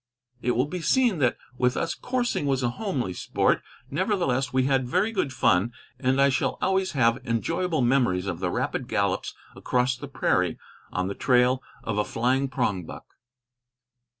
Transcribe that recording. It will be seen that with us coursing was a homely sport. Nevertheless we had very good fun, and I shall always have enjoyable memories of the rapid gallops across the prairie, on the trail of a flying prongbuck.